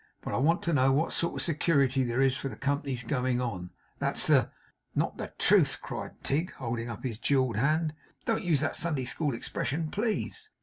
But I want to know what sort of security there is for the Company's going on. That's the ' 'Not the truth?' cried Tigg, holding up his jewelled hand. 'Don't use that Sunday School expression, please!